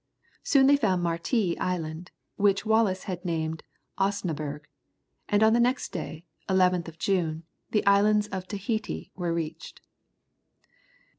Soon they found Martea Island, which Wallis had named Osnaburgh, and on the next day, 11th of June, the island of Tahiti was reached.